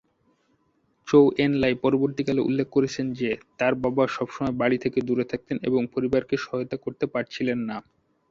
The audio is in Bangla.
চৌ এন-লাই পরবর্তীকালে উল্লেখ করেছেন যে, তার বাবা সবসময় বাড়ী থেকে দূরে থাকতেন এবং পরিবারকে সহায়তা করতে পারছিলেন না।